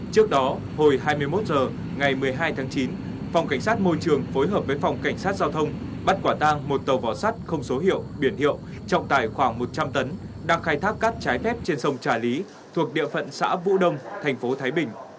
trước đó hồi hai mươi một h ngày một mươi hai tháng chín phòng cảnh sát môi trường phối hợp với phòng cảnh sát giao thông bắt quả tang một tàu vỏ sắt không số hiệu biển hiệu trọng tải khoảng một trăm linh tấn đang khai thác cát trái phép trên sông trà lý thuộc địa phận xã vũ đông thành phố thái bình